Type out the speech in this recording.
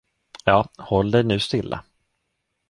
Ja, håll dig nu stilla!